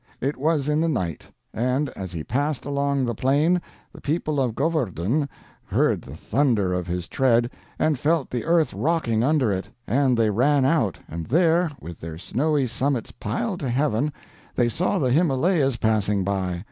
It was in the night; and, as he passed along the plain, the people of Govardhun heard the thunder of his tread and felt the earth rocking under it, and they ran out, and there, with their snowy summits piled to heaven, they saw the Himalayas passing by.